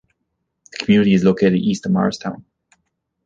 The community is located east of Morristown.